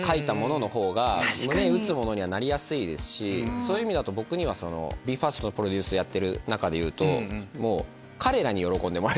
そういう意味だとＢＥ：ＦＩＲＳＴのプロデュースやってる中でいうと。